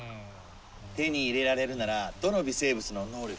手に入れられるならどの微生物の能力がいいですか？